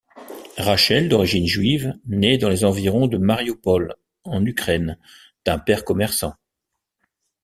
Rachel, d'origine juive, nait dans les environs de Marioupol en Ukraine, d'un père commerçant.